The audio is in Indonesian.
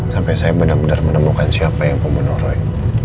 sampai saya benar benar menemukan siapa yang pembunuh roy